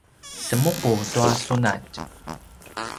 semupu tua sunatj